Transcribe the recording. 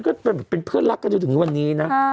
ก็เป็นเพื่อนรักกันจนถึงวันนี้นะ